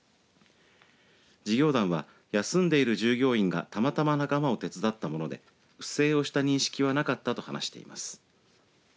事業団は、休んでいる従業員がたまたま仲間を手伝ったもので不正をした認識はなかったと話しています。